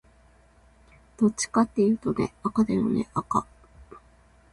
どっちかっていうとね、赤だよね赤